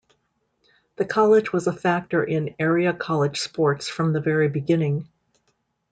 The college was a factor in area college sports from the very beginning.